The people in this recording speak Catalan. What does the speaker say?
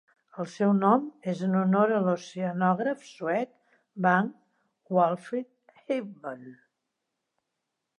El seu nom és en honor a l'oceanògraf suec Vagn Walfrid Ekman.